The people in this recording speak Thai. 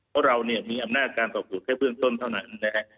เพราะเราเนี่ยมีอำนาจการสอบสวนแค่เบื้องต้นเท่านั้นนะฮะ